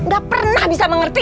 gak pernah bisa mengerti